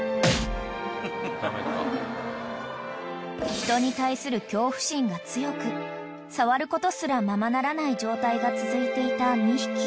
［人に対する恐怖心が強く触ることすらままならない状態が続いていた２匹］